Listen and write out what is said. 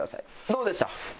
どうでした？